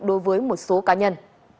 đối với một số cá nhân